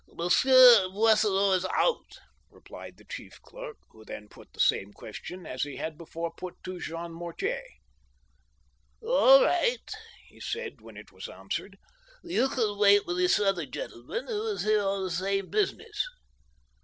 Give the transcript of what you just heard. " Maitre Boisselot is out," replied the chief clerk, who then put the same question he had before put to Jean Mortier. " All right," he said, when it was answered, " you can wait with this other gentleman, who is here on the same business."